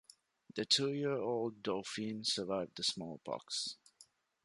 The two-year-old Dauphin survived the smallpox.